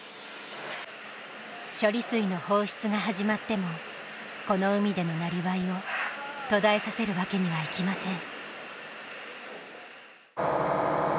処理水の放出が始まってもこの海でのなりわいを途絶えさせるわけにはいきません。